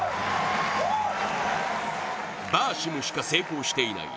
バーシムしか成功していない